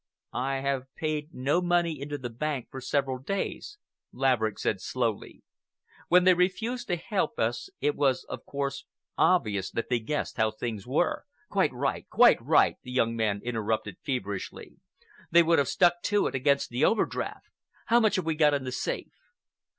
"I have paid no money into the bank for several days," Laverick said slowly. "When they refused to help us, it was, of course, obvious that they guessed how things were." "Quite right, quite right!" the young man interrupted feverishly. "They would have stuck to it against the overdraft. How much have we got in the safe?"